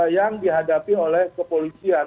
yang dihadapi oleh kepolisian